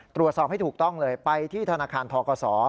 ตรวจสอบให้ถูกต้องเลยไปที่ธนาคารทกศ